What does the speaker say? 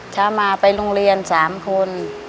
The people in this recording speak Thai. ช้ามาไปรุงเรียนสามคน